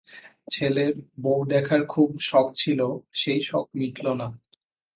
ছেলের বৌ দেখার খুব শখ ছিল, সেই শখ মিটাল না।